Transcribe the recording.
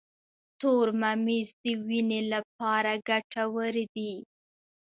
تور ممیز د وینې لپاره ګټور دي.